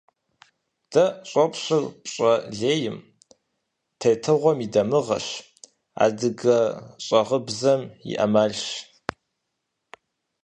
Дэ щӀопщыр пщӀэ лейм, тетыгъуэм и дамыгъэщ, адыгэ щӀагъыбзэм и Ӏэмалщ.